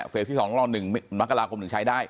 เฟซที่๒ล่อ๑มักรากลมหนึ่งใช้ได้